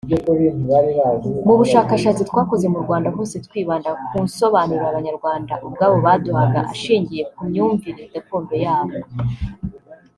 Mu bushakashatsi twakoze mu Rwanda hose twibanda ku nsobanuro Abanyarwanda ubwabo baduhaga ashingiye ku myumvire gakondo yabo